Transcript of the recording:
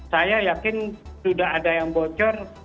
saya yakin sudah ada yang bocor